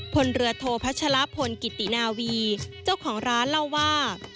พลเรือโทพัชลพลกิตินาวีเจ้าของร้านเล่าว่า